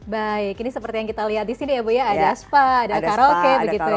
baik ini seperti yang kita lihat di sini ya bu ya ada aspa ada karaoke begitu ya